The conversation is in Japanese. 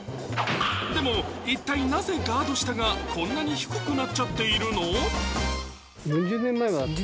でも一体なぜガード下がこんなに低くなっちゃってるの？